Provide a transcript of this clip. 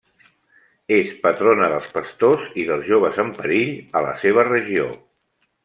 És patrona dels pastors i dels joves en perill, a la seva regió.